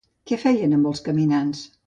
Què feien amb els caminants?